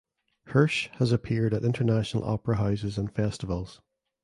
Hirsch has appeared at international opera houses and festivals.